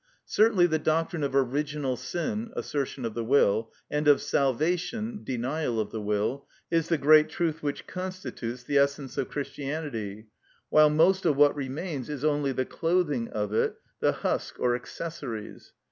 Certainly the doctrine of original sin (assertion of the will) and of salvation (denial of the will) is the great truth which constitutes the essence of Christianity, while most of what remains is only the clothing of it, the husk or accessories.